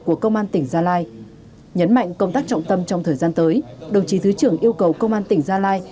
của công an tỉnh gia lai nhấn mạnh công tác trọng tâm trong thời gian tới đồng chí thứ trưởng yêu cầu công an tỉnh gia lai